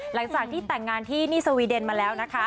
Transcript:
หลังจากที่แต่งงานที่นี่สวีเดนมาแล้วนะคะ